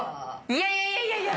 いやいや。